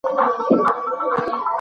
د خلکو د ژوند سطحه ټیټه پاتې کېږي.